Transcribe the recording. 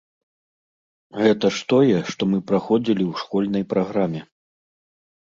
Гэта ж тое, што мы праходзілі ў школьнай праграме.